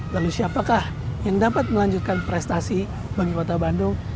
lalu siapakah yang dapat melanjutkan prestasi bagi kota bandung